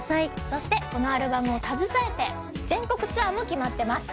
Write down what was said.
そしてこのアルバムを携えて全国ツアーも決まってます